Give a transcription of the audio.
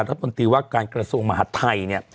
รัฐมนตรีวักการกระทรวงมหาทัย